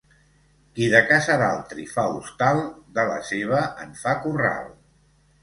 Qui de casa d'altri fa hostal, de la seva en fa corral.